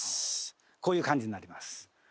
こういう感じになります。